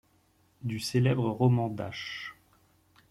Du célèbre roman d'H.